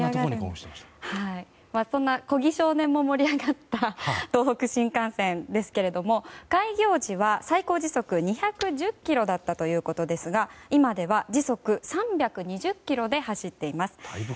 そんな小木少年も盛り上がった東北新幹線ですが開業時は最高時速２１０キロだったということですが今では時速３２０キロで走っています。